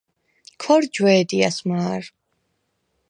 ქორ ჯვე̄დიას მა̄რ.